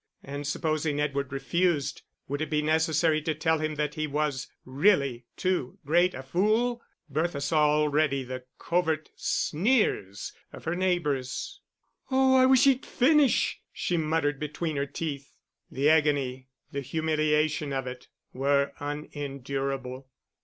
And supposing Edward refused, would it be necessary to tell him that he was really too great a fool? Bertha saw already the covert sneers of her neighbours. "Oh, I wish he'd finish!" she muttered between her teeth. The agony, the humiliation of it, were unendurable.